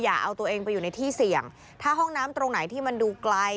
อย่าเอาตัวเองไปอยู่ในที่เสี่ยงถ้าห้องน้ำตรงไหนที่มันดูไกล